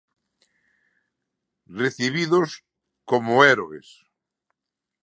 Recibidos como heroes.